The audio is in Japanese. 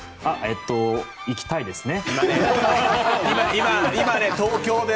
行きたいですね。